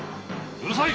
うるさい！